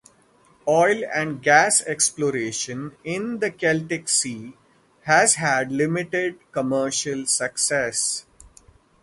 Oil and gas exploration in the Celtic Sea has had limited commercial success.